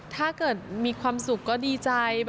ถ้าเกิดมีความสุขก็ดีใจ